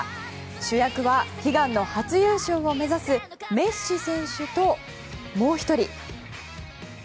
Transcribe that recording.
主役は悲願の初優勝を目指すメッシ選手ともう１人。